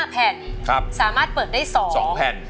๕แผ่นสามารถเปิดได้๒แผ่น